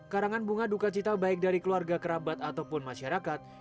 karangan bunga duka cita baik dari keluarga kerabat ataupun masyarakat